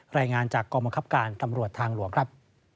รายงานจากกองบังคับการตำรวจทางหลวงครับ